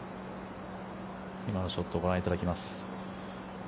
今のショットご覧いただきます。